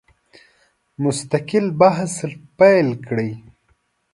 مستقل بحث پیل کړي.